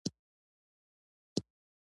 کوږه خندا خلک سپکوي